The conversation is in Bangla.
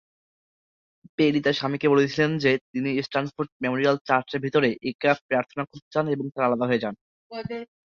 পেরি তার স্বামীকে বলেছিলেন যে তিনি স্ট্যানফোর্ড মেমোরিয়াল চার্চের ভিতরে একা প্রার্থনা করতে চান, এবং তারা আলাদা হয়ে যান।